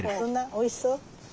おいしそう？